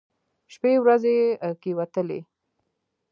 شپې ورځې کښېوتلې.